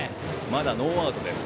まだノーアウトです。